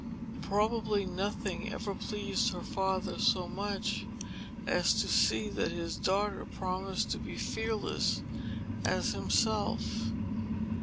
Probably nothing ever pleased her father so much as to see that his daughter promised to be fearless as himself.